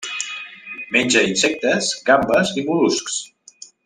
Menja insectes, gambes i mol·luscs.